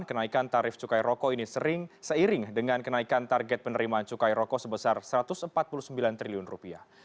kenaikan tarif cukai rokok ini sering seiring dengan kenaikan target penerimaan cukai rokok sebesar satu ratus empat puluh sembilan triliun rupiah